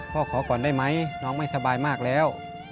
ขอก่อนได้ไหมน้องไม่สบายมากแล้ว